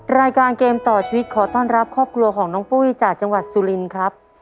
รายการเกมต่อชีวิตขอต้อนรับครอบครัวของน้องปุ้ยจากจังหวัดสุรินครับ